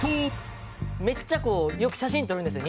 めっちゃこうよく写真撮るんですよ